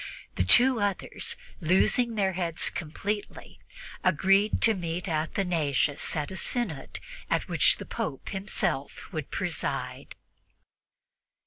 The two others, losing their heads completely, agreed to meet Athanasius at a synod at which the Pope himself should preside.